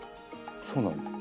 そうなんです。